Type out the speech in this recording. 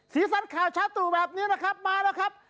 สีสันขาชาตุแบบนี้นะครับมาแล้วครับ